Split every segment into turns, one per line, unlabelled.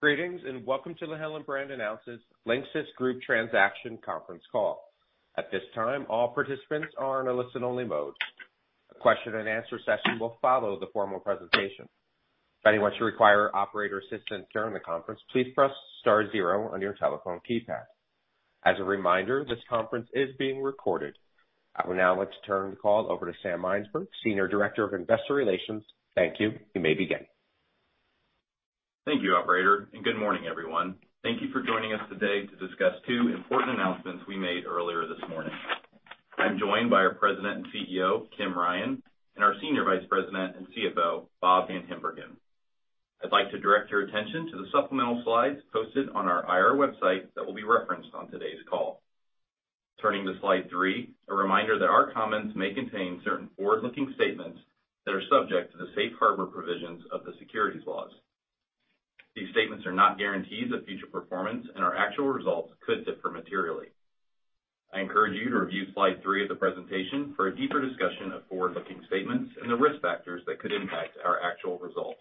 Greetings, and welcome to the Hillenbrand announces LINXIS Group transaction conference call. At this time, all participants are in a listen-only mode. A question and answer session will follow the formal presentation. If anyone should require operator assistance during the conference, please press star zero on your telephone keypad. As a reminder, this conference is being recorded. I would now like to turn the call over to Sam Mynsberge, Senior Director of Investor Relations. Thank you. You may begin.
Thank you, operator, and good morning, everyone. Thank you for joining us today to discuss two important announcements we made earlier this morning. I'm joined by our President and CEO, Kim Ryan, and our Senior Vice President and CFO, Bob VanHimbergen. I'd like to direct your attention to the supplemental slides posted on our IR website that will be referenced on today's call. Turning to slide three, a reminder that our comments may contain certain forward-looking statements that are subject to the safe harbor provisions of the securities laws. These statements are not guarantees of future performance and our actual results could differ materially. I encourage you to review slide three of the presentation for a deeper discussion of forward-looking statements and the risk factors that could impact our actual results.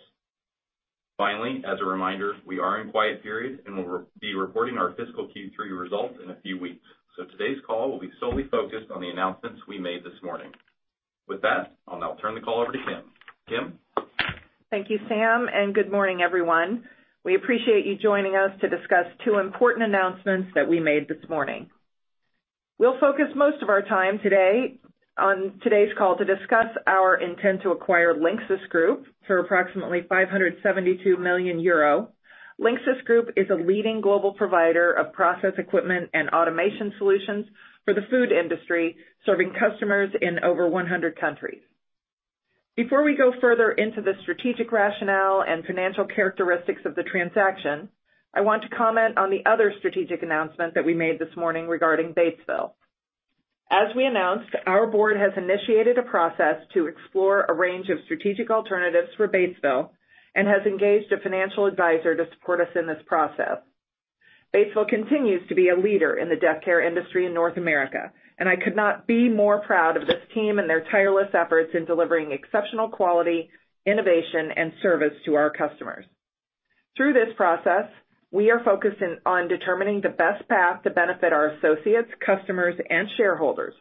Finally, as a reminder, we are in quiet period and we'll be reporting our fiscal Q3 results in a few weeks, so today's call will be solely focused on the announcements we made this morning. With that, I'll now turn the call over to Kim. Kim?
Thank you, Sam, and good morning, everyone. We appreciate you joining us to discuss two important announcements that we made this morning. We'll focus most of our time today on today's call to discuss our intent to acquire LINXIS Group for approximately 572 million euro. LINXIS Group is a leading global provider of process equipment and automation solutions for the food industry, serving customers in over 100 countries. Before we go further into the strategic rationale and financial characteristics of the transaction, I want to comment on the other strategic announcement that we made this morning regarding Batesville. As we announced, our board has initiated a process to explore a range of strategic alternatives for Batesville and has engaged a financial advisor to support us in this process. Batesville continues to be a leader in the death care industry in North America, and I could not be more proud of this team and their tireless efforts in delivering exceptional quality, innovation, and service to our customers. Through this process, we are focusing on determining the best path to benefit our associates, customers, and shareholders.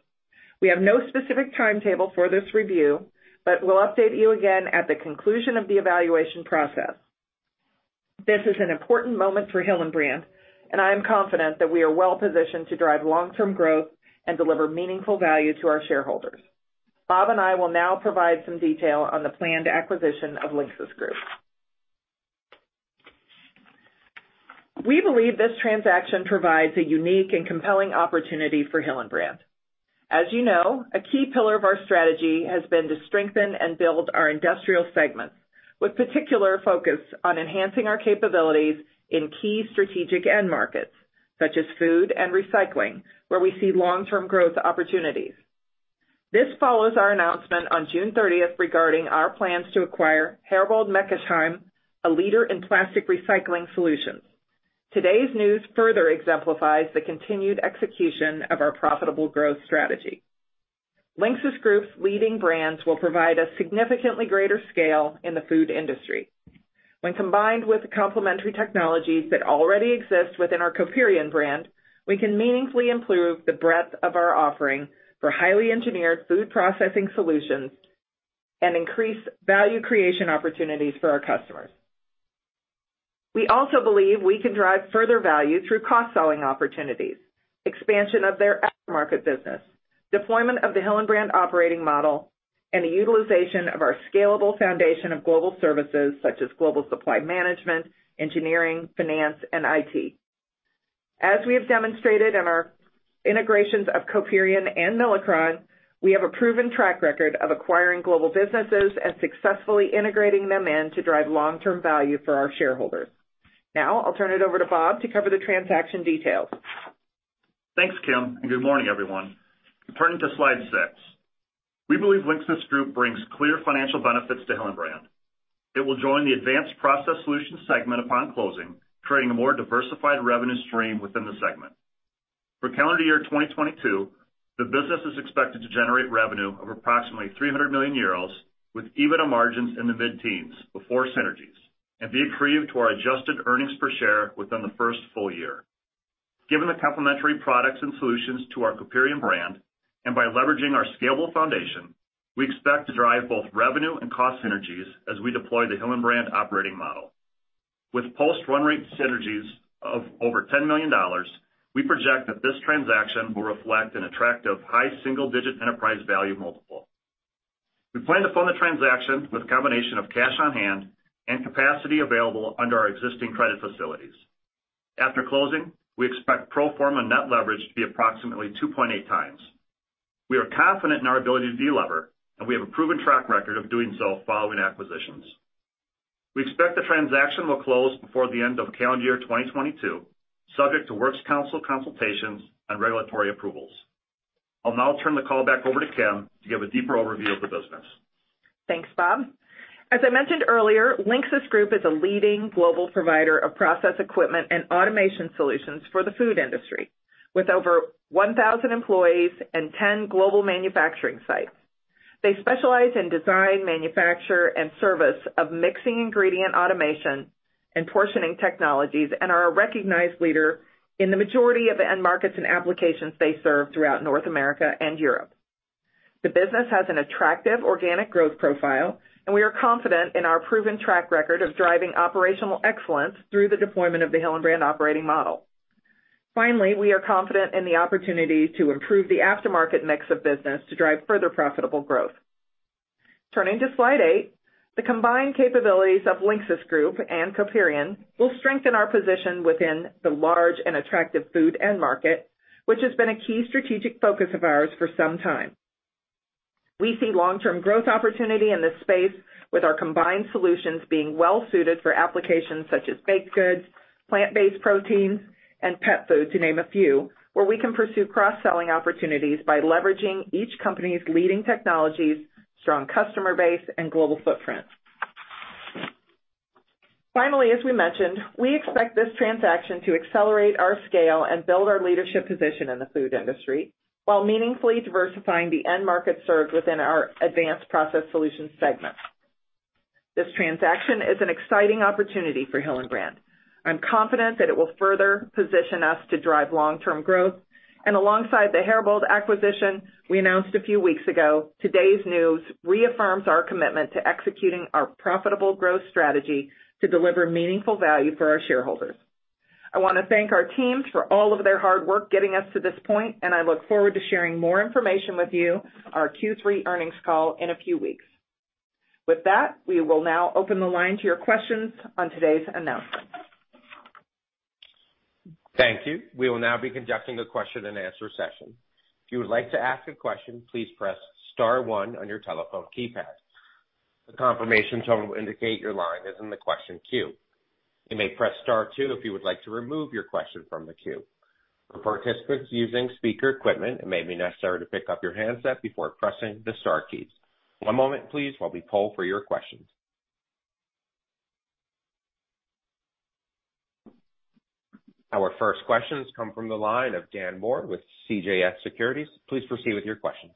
We have no specific timetable for this review, but we'll update you again at the conclusion of the evaluation process. This is an important moment for Hillenbrand, and I am confident that we are well-positioned to drive long-term growth and deliver meaningful value to our shareholders. Bob and I will now provide some detail on the planned acquisition of LINXIS Group. We believe this transaction provides a unique and compelling opportunity for Hillenbrand. As you know, a key pillar of our strategy has been to strengthen and build our industrial segments, with particular focus on enhancing our capabilities in key strategic end markets such as food and recycling, where we see long-term growth opportunities. This follows our announcement on June 30 regarding our plans to acquire Herbold Meckesheim, a leader in plastic recycling solutions. Today's news further exemplifies the continued execution of our profitable growth strategy. LINXIS Group's leading brands will provide a significantly greater scale in the food industry. When combined with the complementary technologies that already exist within our Coperion brand, we can meaningfully improve the breadth of our offering for highly engineered food processing solutions and increase value creation opportunities for our customers. We also believe we can drive further value through cross-selling opportunities, expansion of their aftermarket business, deployment of the Hillenbrand Operating Model, and the utilization of our scalable foundation of global services such as global supply management, engineering, finance, and IT. As we have demonstrated in our integrations of Coperion and Milacron, we have a proven track record of acquiring global businesses and successfully integrating them into drive long-term value for our shareholders. Now, I'll turn it over to Bob to cover the transaction details.
Thanks, Kim, and good morning, everyone. Turning to slide six. We believe LINXIS Group brings clear financial benefits to Hillenbrand. It will join the Advanced Process Solutions segment upon closing, creating a more diversified revenue stream within the segment. For calendar year 2022, the business is expected to generate revenue of approximately 300 million euros with EBITDA margins in the mid-teens before synergies and be accretive to our adjusted earnings per share within the first full year. Given the complementary products and solutions to our Coperion brand, and by leveraging our scalable foundation, we expect to drive both revenue and cost synergies as we deploy the Hillenbrand Operating Model. With post-run rate synergies of over $10 million, we project that this transaction will reflect an attractive high single-digit enterprise value multiple. We plan to fund the transaction with a combination of cash on hand and capacity available under our existing credit facilities. After closing, we expect pro forma net leverage to be approximately 2.8x. We are confident in our ability to delever, and we have a proven track record of doing so following acquisitions. We expect the transaction will close before the end of calendar year 2022, subject to Works Council consultations and regulatory approvals. I'll now turn the call back over to Kim to give a deeper overview of the business.
Thanks, Bob. As I mentioned earlier, LINXIS Group is a leading global provider of process equipment and automation solutions for the food industry with over 1,000 employees and 10 global manufacturing sites. They specialize in design, manufacture, and service of mixing ingredient automation and portioning technologies, and are a recognized leader in the majority of the end markets and applications they serve throughout North America and Europe. The business has an attractive organic growth profile, and we are confident in our proven track record of driving operational excellence through the deployment of the Hillenbrand Operating Model. Finally, we are confident in the opportunity to improve the aftermarket mix of business to drive further profitable growth. Turning to slide eight, the combined capabilities of LINXIS Group and Coperion will strengthen our position within the large and attractive food end market, which has been a key strategic focus of ours for some time. We see long-term growth opportunity in this space with our combined solutions being well suited for applications such as baked goods, plant-based proteins, and pet foods, to name a few, where we can pursue cross-selling opportunities by leveraging each company's leading technologies, strong customer base, and global footprint. Finally, as we mentioned, we expect this transaction to accelerate our scale and build our leadership position in the food industry while meaningfully diversifying the end market served within our Advanced Process Solutions segment. This transaction is an exciting opportunity for Hillenbrand. I'm confident that it will further position us to drive long-term growth. Alongside the Herbold acquisition we announced a few weeks ago, today's news reaffirms our commitment to executing our profitable growth strategy to deliver meaningful value for our shareholders. I wanna thank our teams for all of their hard work getting us to this point, and I look forward to sharing more information with you on our Q3 earnings call in a few weeks. With that, we will now open the line to your questions on today's announcement.
Thank you. We will now be conducting a question and answer session. If you would like to ask a question, please press star one on your telephone keypad. The confirmation tone will indicate your line is in the question queue. You may press star two if you would like to remove your question from the queue. For participants using speaker equipment, it may be necessary to pick up your handset before pressing the star keys. One moment, please, while we poll for your questions. Our first questions come from the line of Dan Moore with CJS Securities. Please proceed with your questions.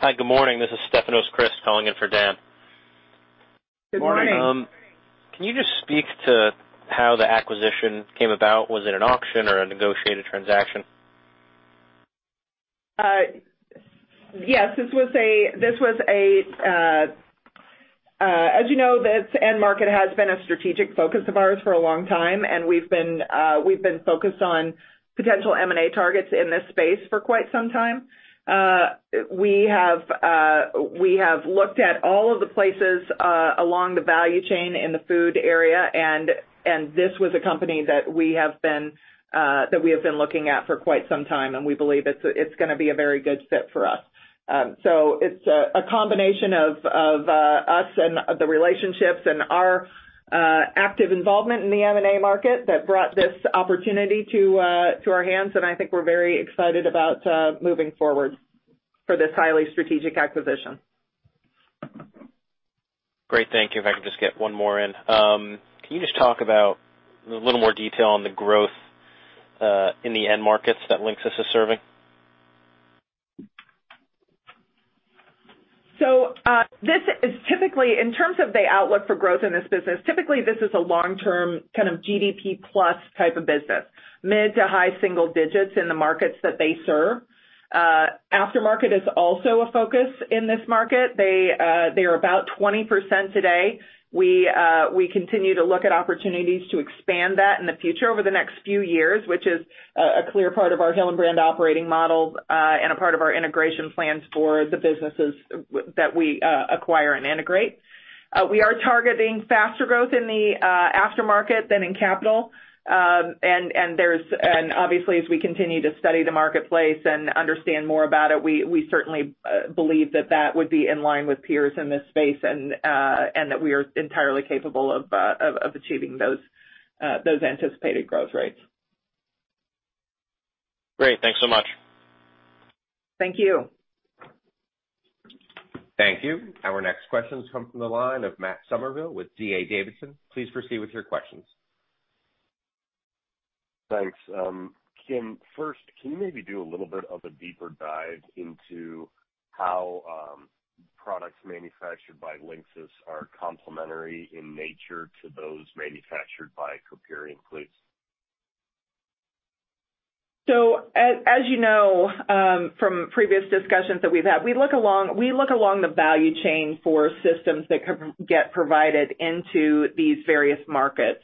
Hi. Good morning. This is Stefanos Crist calling in for Dan.
Good morning.
Can you just speak to how the acquisition came about? Was it an auction or a negotiated transaction?
Yes. As you know, this end market has been a strategic focus of ours for a long time, and we've been focused on potential M&A targets in this space for quite some time. We have looked at all of the places along the value chain in the food area, and this was a company that we have been looking at for quite some time, and we believe it's gonna be a very good fit for us. It's a combination of us and the relationships and our active involvement in the M&A market that brought this opportunity to our hands, and I think we're very excited about moving forward for this highly strategic acquisition.
Great. Thank you. If I can just get one more in. Can you just talk about a little more detail on the growth, in the end markets that LINXIS is serving?
This is typically in terms of the outlook for growth in this business. Typically, this is a long-term kind of GDP+ type of business, mid to high-single digits in the markets that they serve. Aftermarket is also a focus in this market. They are about 20% today. We continue to look at opportunities to expand that in the future over the next few years, which is a clear part of our Hillenbrand Operating Model, and a part of our integration plans for the businesses that we acquire and integrate. We are targeting faster growth in the aftermarket than in capital. Obviously, as we continue to study the marketplace and understand more about it, we certainly believe that would be in line with peers in this space and that we are entirely capable of achieving those anticipated growth rates.
Great. Thanks so much.
Thank you.
Thank you. Our next questions come from the line of Matt Summerville with D.A. Davidson. Please proceed with your questions.
Thanks. Kim, first, can you maybe do a little bit of a deeper dive into how products manufactured by LINXIS are complementary in nature to those manufactured by Coperion please?
As you know, from previous discussions that we've had, we look along the value chain for systems that can get provided into these various markets.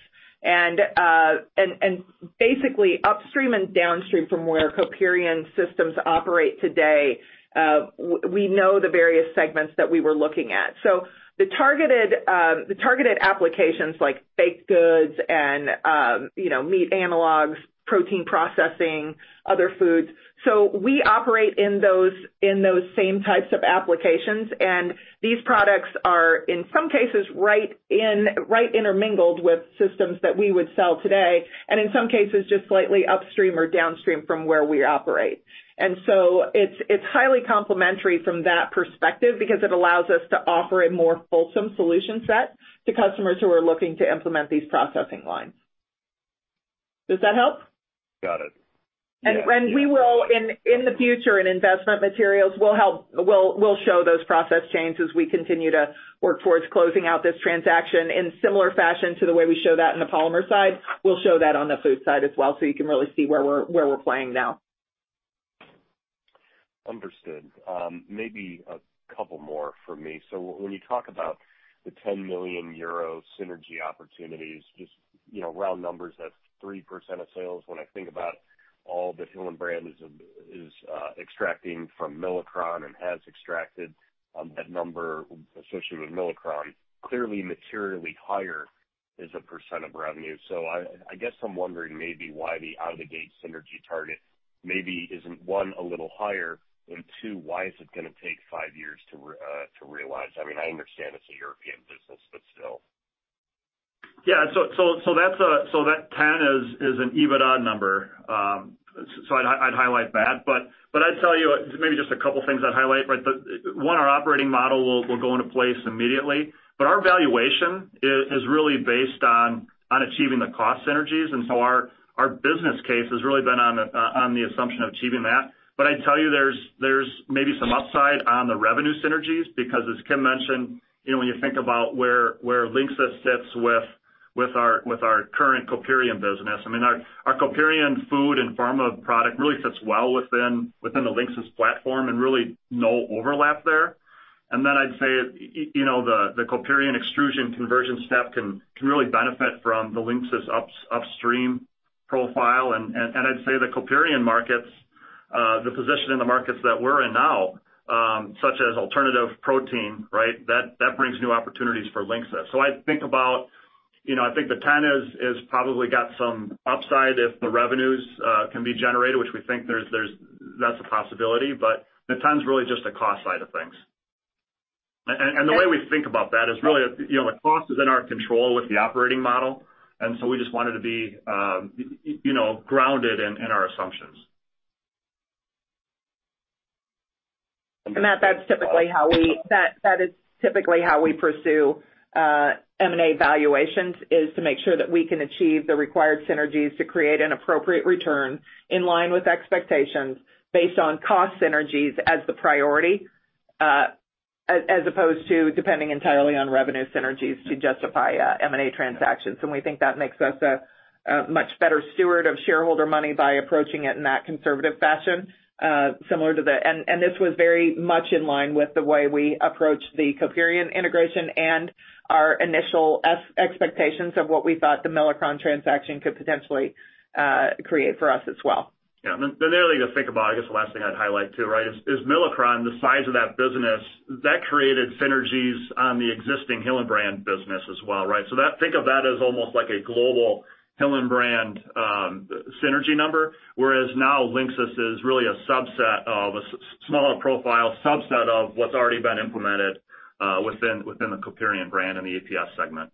Basically upstream and downstream from where Coperion's systems operate today, we know the various segments that we were looking at. The targeted applications like baked goods and, you know, meat analogs, protein processing, other foods. We operate in those same types of applications, and these products are in some cases right intermingled with systems that we would sell today, and in some cases just slightly upstream or downstream from where we operate. It is highly complementary from that perspective because it allows us to offer a more fulsome solution set to customers who are looking to implement these processing lines. Does that help?
Got it.
We will in the future, in investment materials, we'll show those process changes as we continue to work towards closing out this transaction. In similar fashion to the way we show that in the polymer side, we'll show that on the food side as well, so you can really see where we're playing now.
Understood. Maybe a couple more from me. When you talk about the 10 million euro synergy opportunities, just, you know, round numbers at 3% of sales, when I think about all that Hillenbrand is extracting from Milacron and has extracted, that number associated with Milacron clearly materially higher is a percent of revenue. I guess I'm wondering maybe why the out of the gate synergy target maybe isn't, one, a little higher, and two, why is it gonna take five years to realize. I mean, I understand it's a European business, but still.
Yeah. That 10 is an EBITDA number. I'd highlight that. I'd tell you, maybe just a couple things I'd highlight, right? One, our operating model will go into place immediately. Our valuation is really based on achieving the cost synergies. Our business case has really been on the assumption of achieving that. I'd tell you there's maybe some upside on the revenue synergies, because as Kim mentioned, you know, when you think about where LINXIS sits with our current Coperion business, I mean, our Coperion food and pharma product really fits well within the LINXIS platform and really no overlap there. I'd say, you know, the Coperion extrusion conversion step can really benefit from the LINXIS upstream profile. I'd say the Coperion markets, the position in the markets that we're in now, such as alternative protein, right, that brings new opportunities for LINXIS. I think about, you know, I think the 10 is probably got some upside if the revenues can be generated, which we think that's a possibility, but the 10's really just a cost side of things. The way we think about that is really, you know, the cost is in our control with the operating model, and so we just wanted to be, you know, grounded in our assumptions.
That is typically how we pursue M&A valuations, is to make sure that we can achieve the required synergies to create an appropriate return in line with expectations based on cost synergies as the priority, as opposed to depending entirely on revenue synergies to justify M&A transactions. We think that makes us a much better steward of shareholder money by approaching it in that conservative fashion, similar to the way we approached the Coperion integration and our initial expectations of what we thought the Milacron transaction could potentially create for us as well.
Yeah. The other thing to think about, I guess the last thing I'd highlight too, right, is Milacron, the size of that business that created synergies on the existing Hillenbrand business as well, right? That, think of that as almost like a global Hillenbrand synergy number, whereas now LINXIS is really a subset of a smaller profile subset of what's already been implemented within the Coperion brand in the APS segment.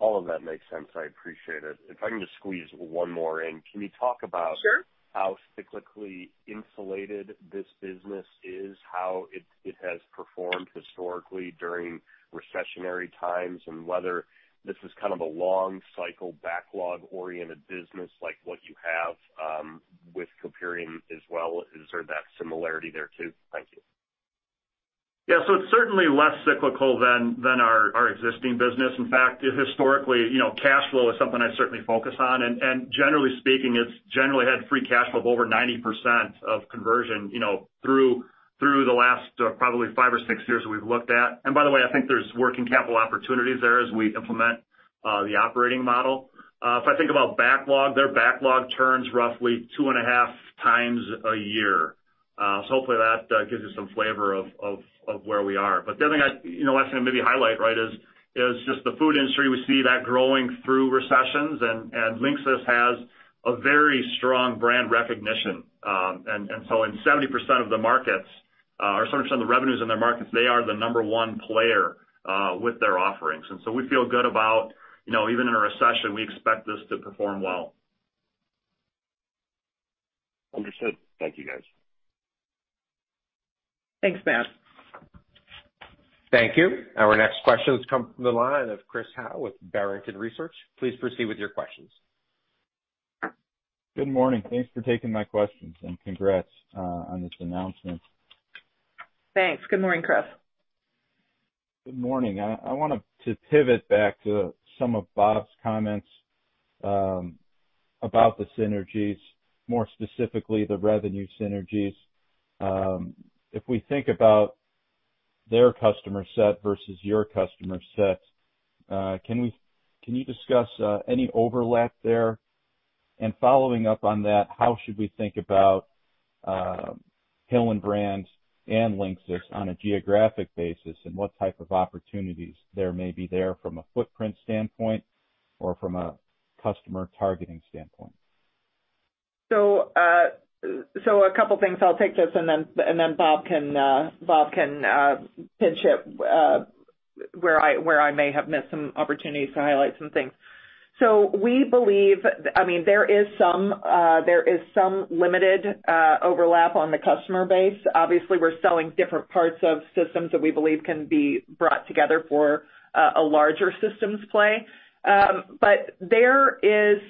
All of that makes sense. I appreciate it. If I can just squeeze one more in. Can you talk about?
Sure.
How cyclically insulated this business is, how it has performed historically during recessionary times, and whether this is kind of a long cycle backlog-oriented business like what you have with Coperion as well? Is there that similarity there too? Thank you.
Yeah. It's certainly less cyclical than our existing business. In fact, historically, you know, cash flow is something I certainly focus on. Generally speaking, it's generally had free cash flow of over 90% of conversion, you know, through the last probably five or six years we've looked at. By the way, I think there's working capital opportunities there as we implement the operating model. If I think about backlog, their backlog turns roughly two and a half times a year. Hopefully that gives you some flavor of where we are. The other thing I'd, you know, want to maybe highlight, right, is just the food industry, we see that growing through recessions and LINXIS has a very strong brand recognition. In 70% of the markets or 70% of the revenues in their markets, they are the number one player with their offerings. We feel good about, you know, even in a recession, we expect this to perform well.
Understood. Thank you guys.
Thanks, Matt.
Thank you. Our next question has come from the line of Chris Howe with Barrington Research. Please proceed with your questions.
Good morning. Thanks for taking my questions, and congrats on this announcement.
Thanks. Good morning, Chris.
Good morning. I wanted to pivot back to some of Bob's comments about the synergies, more specifically the revenue synergies. If we think about their customer set versus your customer set, can you discuss any overlap there? Following up on that, how should we think about Hillenbrand and LINXIS on a geographic basis, and what type of opportunities there may be there from a footprint standpoint or from a customer targeting standpoint?
A couple things. I'll take this and then Bob can pinch hit where I may have missed some opportunities to highlight some things. We believe. I mean, there is some limited overlap on the customer base. Obviously, we're selling different parts of systems that we believe can be brought together for a larger systems play. But there is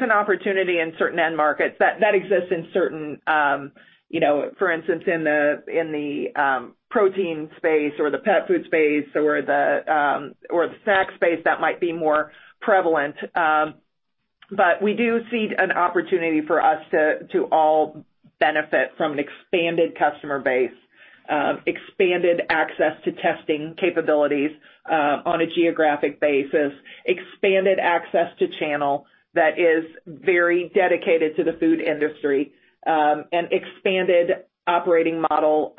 an opportunity in certain end markets that exists in certain, you know, for instance, in the protein space or the pet food space or the snack space that might be more prevalent. We do see an opportunity for us to all benefit from an expanded customer base, expanded access to testing capabilities, on a geographic basis, expanded access to channel that is very dedicated to the food industry, and expanded operating model,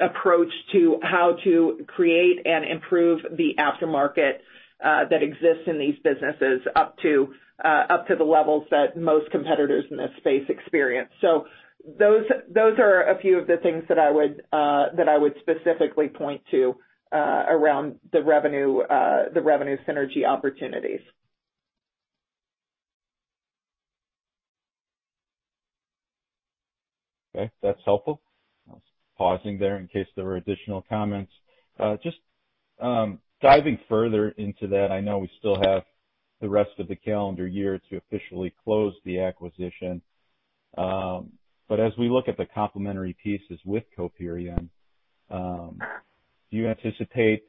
approach to how to create and improve the aftermarket, that exists in these businesses up to the levels that most competitors in this space experience. Those are a few of the things that I would that I would specifically point to, around the revenue synergy opportunities.
Okay, that's helpful. I was pausing there in case there were additional comments. Just diving further into that, I know we still have the rest of the calendar year to officially close the acquisition. As we look at the complementary pieces with Coperion, do you anticipate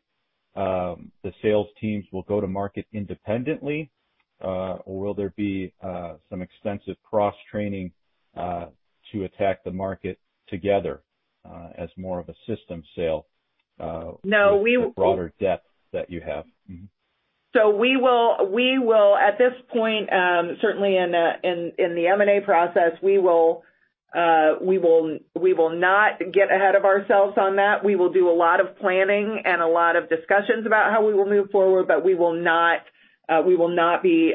the sales teams will go to market independently, or will there be some extensive cross-training to attack the market together, as more of a system sale?
No, we will.
With the broader depth that you have?
We will, at this point, certainly in the M&A process, not get ahead of ourselves on that. We will do a lot of planning and a lot of discussions about how we will move forward, but we will not be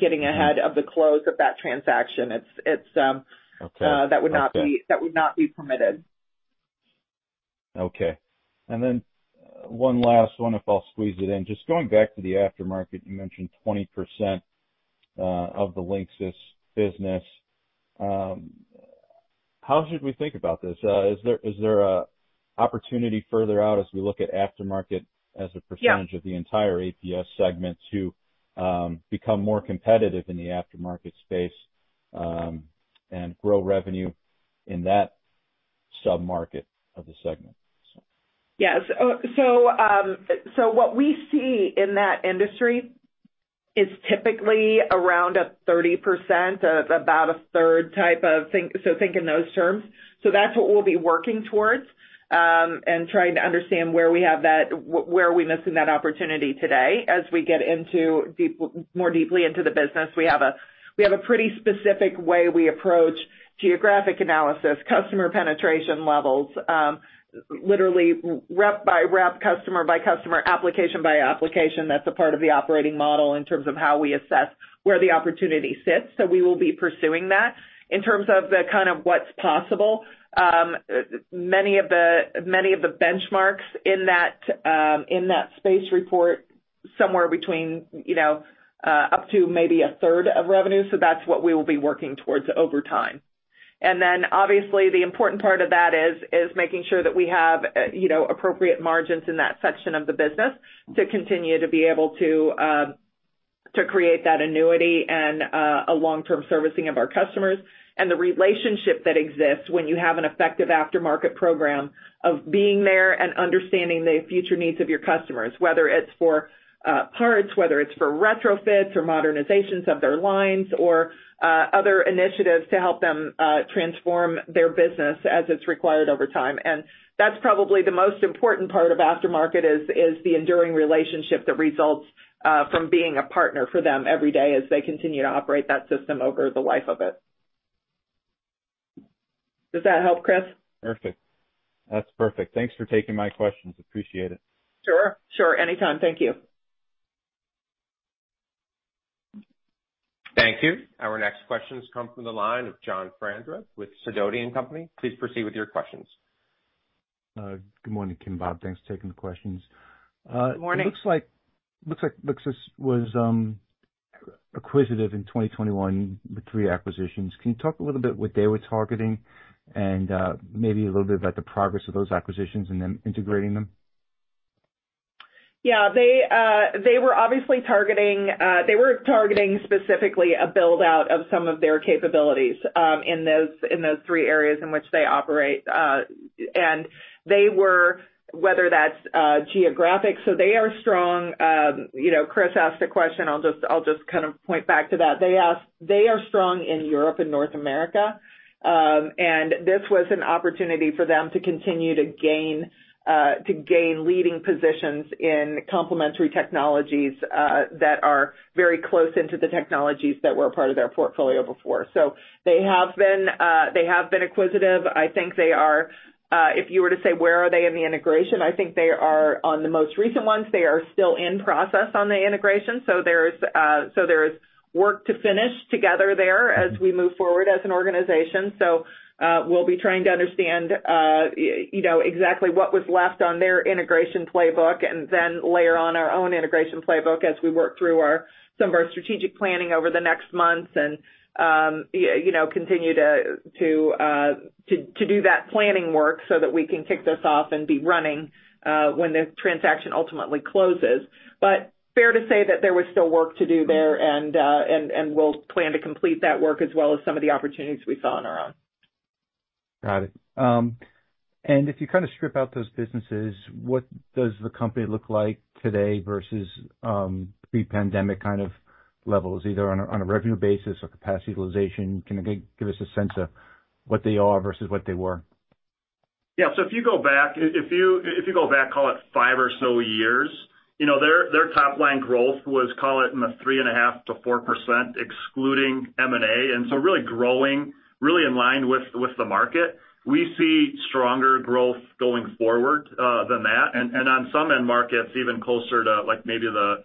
getting ahead of the close of that transaction for competitive reasons, et cetera. It's
Okay. Okay.
That would not be permitted.
Okay. One last one, if I'll squeeze it in. Just going back to the aftermarket, you mentioned 20% of the LINXIS business. How should we think about this? Is there an opportunity further out as we look at aftermarket as a percentage?
Yeah.
of the entire APS segment to become more competitive in the aftermarket space and grow revenue in that sub-market of the segment?
Yes. What we see in that industry is typically around 30%, about a third type of thing. Think in those terms. That's what we'll be working towards, and trying to understand where we have that, where are we missing that opportunity today as we get more deeply into the business. We have a pretty specific way we approach geographic analysis, customer penetration levels, literally rep by rep, customer by customer, application by application. That's a part of the operating model in terms of how we assess where the opportunity sits. We will be pursuing that. In terms of the kind of what's possible, many of the benchmarks in that space report somewhere between, you know, up to maybe a third of revenue. That's what we will be working towards over time. Then obviously the important part of that is making sure that we have, you know, appropriate margins in that section of the business to continue to be able to to create that annuity and a long-term servicing of our customers. The relationship that exists when you have an effective aftermarket program of being there and understanding the future needs of your customers, whether it's for parts, whether it's for retrofits or modernizations of their lines or other initiatives to help them transform their business as it's required over time. That's probably the most important part of aftermarket is the enduring relationship that results from being a partner for them every day as they continue to operate that system over the life of it. Does that help, Chris?
Perfect. That's perfect. Thanks for taking my questions. Appreciate it.
Sure. Anytime. Thank you.
Thank you. Our next questions come from the line of John Franzreb with Sidoti & Company. Please proceed with your questions.
Good morning, Kim and Bob. Thanks for taking the questions.
Morning.
It looks like LINXIS was acquisitive in 2021 with three acquisitions. Can you talk a little bit what they were targeting and maybe a little bit about the progress of those acquisitions and then integrating them?
Yeah. They were obviously targeting specifically a build-out of some of their capabilities in those three areas in which they operate. They were, whether that's geographic, so they are strong, you know, Chris asked a question, I'll just kind of point back to that. They are strong in Europe and North America, and this was an opportunity for them to continue to gain leading positions in complementary technologies that are very close to the technologies that were part of their portfolio before. They have been acquisitive. I think they are, if you were to say, where are they in the integration, I think they are on the most recent ones. They are still in process on the integration. There's work to finish together there as we move forward as an organization. We'll be trying to understand, you know, exactly what was left on their integration playbook and then layer on our own integration playbook as we work through some of our strategic planning over the next months and, you know, continue to do that planning work so that we can kick this off and be running when the transaction ultimately closes. Fair to say that there was still work to do there and we'll plan to complete that work as well as some of the opportunities we saw on our own.
Got it. If you kind of strip out those businesses, what does the company look like today versus, pre-pandemic kind of levels, either on a revenue basis or capacity utilization? Can you give us a sense of what they are versus what they were?
Yeah. If you go back, call it five or so years, you know, their top line growth was, call it in the 3.5%-4% excluding M&A, really growing really in line with the market. We see stronger growth going forward than that. On some end markets, even closer to like maybe the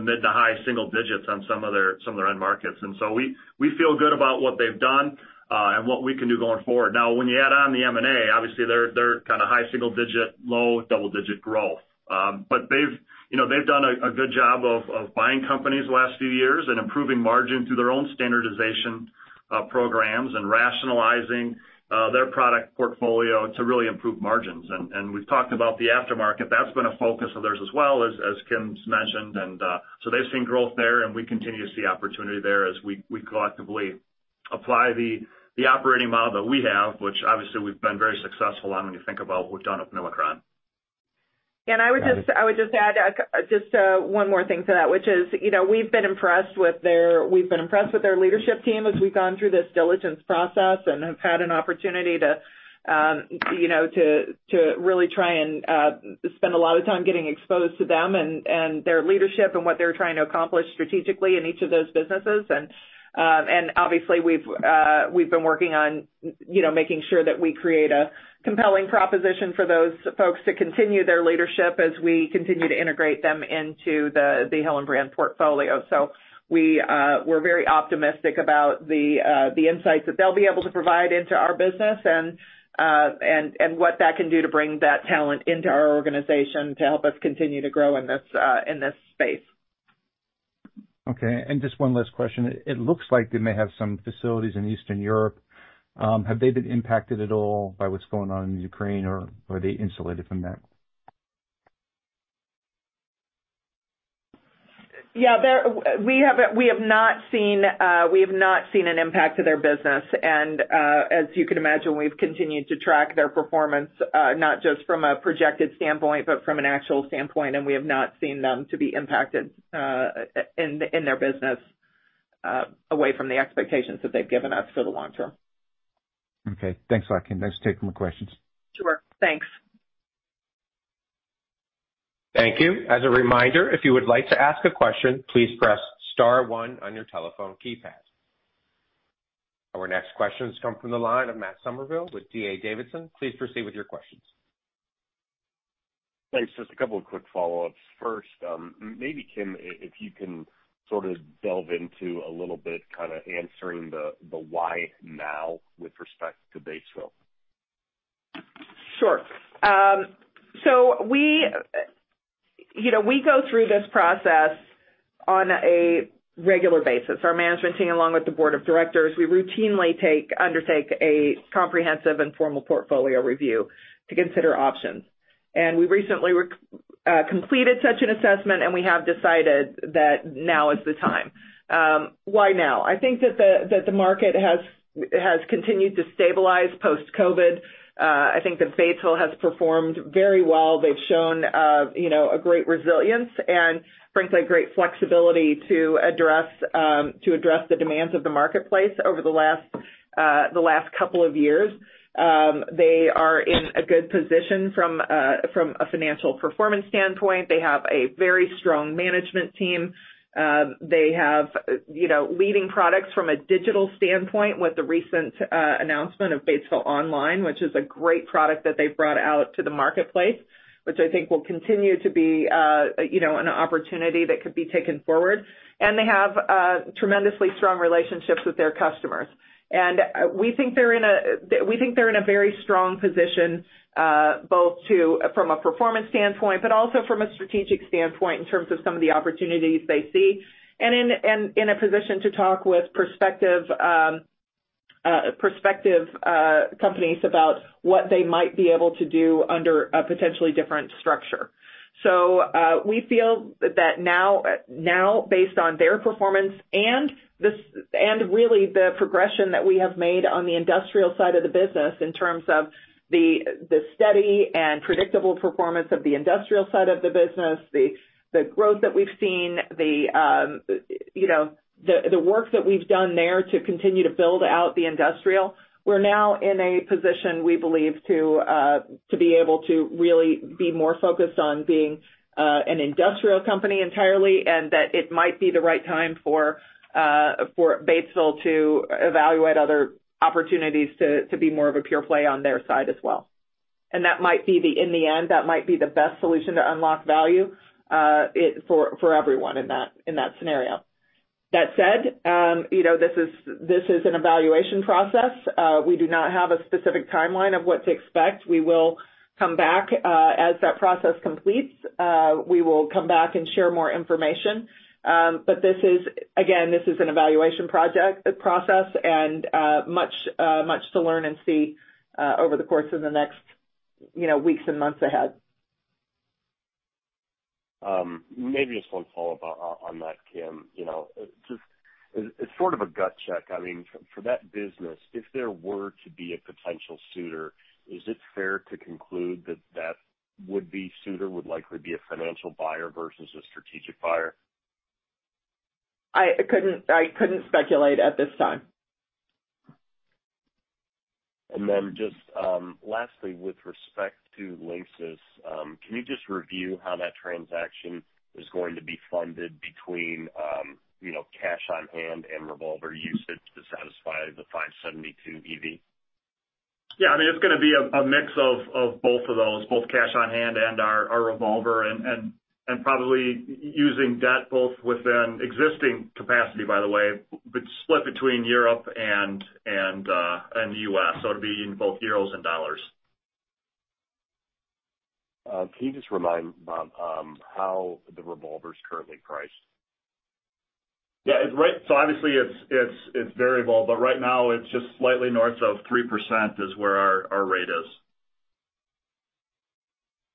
mid to high-single digits on some of their end markets. We feel good about what they've done and what we can do going forward. Now, when you add on the M&A, obviously they're kinda high-single-digit, low-double-digit growth. They've, you know, they've done a good job of buying companies the last few years and improving margin through their own standardization programs and rationalizing their product portfolio to really improve margins. We've talked about the aftermarket. That's been a focus of theirs as well, as Kim's mentioned. They've seen growth there, and we continue to see opportunity there as we collectively apply the operating model that we have, which obviously we've been very successful on when you think about what we've done with Milacron.
I would just. I would just add just one more thing to that, which is, you know, we've been impressed with their leadership team as we've gone through this diligence process and have had an opportunity to, you know, to really try and spend a lot of time getting exposed to them and their leadership and what they're trying to accomplish strategically in each of those businesses. Obviously we've been working on, you know, making sure that we create a compelling proposition for those folks to continue their leadership as we continue to integrate them into the Hillenbrand portfolio. We're very optimistic about the insights that they'll be able to provide into our business and what that can do to bring that talent into our organization to help us continue to grow in this space.
Okay. Just one last question. It looks like they may have some facilities in Eastern Europe. Have they been impacted at all by what's going on in Ukraine, or are they insulated from that?
Yeah. We have not seen an impact to their business. As you can imagine, we've continued to track their performance, not just from a projected standpoint, but from an actual standpoint, and we have not seen them to be impacted in their business away from the expectations that they've given us for the long term.
Okay. Thanks a lot, Kim. Thanks for taking my questions.
Sure. Thanks.
Thank you. As a reminder, if you would like to ask a question, please press star one on your telephone keypad. Our next questions come from the line of Matt Summerville with D.A. Davidson. Please proceed with your questions.
Thanks. Just a couple of quick follow-ups. First, maybe Kim, if you can sort of delve into a little bit kinda answering the why now with respect to Batesville.
Sure. We, you know, go through this process on a regular basis. Our management team, along with the Board of directors, we routinely undertake a comprehensive and formal portfolio review to consider options. We recently completed such an assessment, and we have decided that now is the time. Why now? I think that the market has continued to stabilize post-COVID. I think that Batesville has performed very well. They've shown, you know, a great resilience and frankly, great flexibility to address the demands of the marketplace over the last couple of years. They are in a good position from a financial performance standpoint. They have a very strong management team. They have, you know, leading products from a digital standpoint with the recent announcement of Batesville Online, which is a great product that they've brought out to the marketplace, which I think will continue to be, you know, an opportunity that could be taken forward. They have tremendously strong relationships with their customers. We think they're in a very strong position, both from a performance standpoint, but also from a strategic standpoint in terms of some of the opportunities they see, and in a position to talk with prospective companies about what they might be able to do under a potentially different structure. We feel that now based on their performance and really the progression that we have made on the industrial side of the business in terms of the steady and predictable performance of the industrial side of the business, the growth that we've seen, you know, the work that we've done there to continue to build out the industrial. We're now in a position, we believe, to be able to really be more focused on being an industrial company entirely, and that it might be the right time for Batesville to evaluate other opportunities to be more of a pure play on their side as well. That might be in the end the best solution to unlock value for everyone in that scenario. That said, you know, this is an evaluation process. We do not have a specific timeline of what to expect. We will come back as that process completes. We will come back and share more information. This is, again, an evaluation process, and much to learn and see over the course of the next, you know, weeks and months ahead.
Maybe just one follow-up on that, Kim. You know, just as sort of a gut check, I mean, for that business, if there were to be a potential suitor, is it fair to conclude that that would-be suitor would likely be a financial buyer versus a strategic buyer?
I couldn't speculate at this time.
Just lastly, with respect to LINXIS, can you just review how that transaction is going to be funded between, you know, cash on hand and revolver usage to satisfy the 572 million EV?
Yeah. I mean, it's gonna be a mix of both cash on hand and our revolver and probably using debt both within existing capacity, by the way, but split between Europe and the U.S. It'll be in both euros and dollars.
Can you just remind how the revolver is currently priced?
Yeah. Obviously it's variable, but right now it's just slightly north of 3% is where our rate is.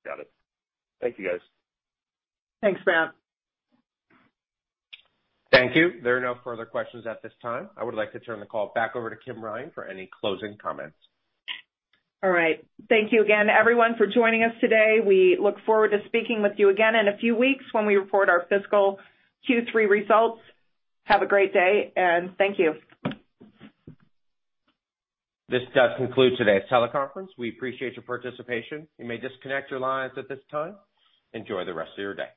Got it. Thank you, guys.
Thanks, Matt.
Thank you. There are no further questions at this time. I would like to turn the call back over to Kim Ryan for any closing comments.
All right. Thank you again, everyone, for joining us today. We look forward to speaking with you again in a few weeks when we report our fiscal Q3 results. Have a great day, and thank you.
This does conclude today's teleconference. We appreciate your participation. You may disconnect your lines at this time. Enjoy the rest of your day.